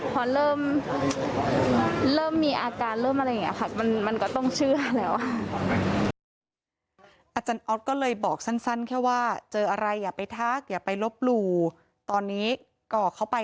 พอเริ่มเริ่มมีอาการเริ่มอะไรอย่างนี้ค่ะ